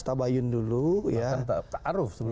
tabayun dulu ya bukan takaruf